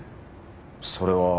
それは。